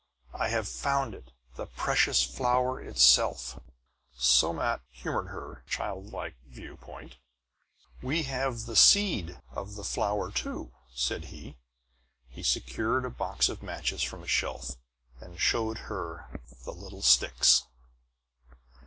"I have found it the precious flower itself!" Somat humored her childlike view point. "We have the seed of the flower, too," said he. He secured a box of matches from a shelf, and showed her the "little sticks."